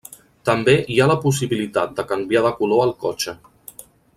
També hi ha la possibilitat de canviar de color el cotxe.